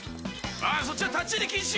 ああそっちは立ち入り禁止！